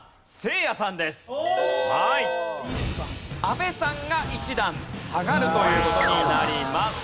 阿部さんが１段下がるという事になります。